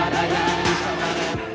mana yang disalah yang nyata